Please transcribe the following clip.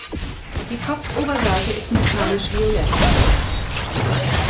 Die Kopfoberseite ist metallisch violett.